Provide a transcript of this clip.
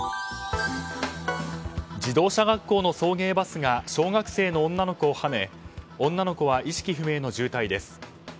自動車学校の送迎バスが小学生の女の子をはね女の子は意識不明の重体です。